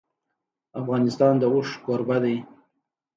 افغانستان د اوښ کوربه دی.